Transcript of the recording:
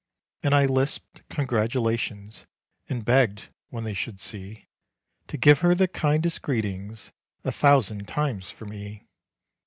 And I lisped congratulations, And begged, when they should see, To give her the kindest greetings, A thousand times for me.